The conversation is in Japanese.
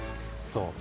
そう！